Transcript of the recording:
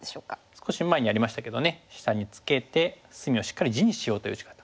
少し前にやりましたけどね下にツケて隅をしっかり地にしようという打ち方。